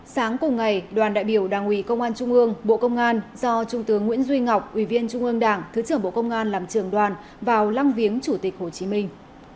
sáng cùng ngày đoàn đại biểu đảng ủy công an trung ương bộ công an do trung tướng nguyễn duy ngọc ủy viên trung ương đảng thứ trưởng bộ công an làm trường đoàn vào lăng viếng chủ tịch hồ chí minh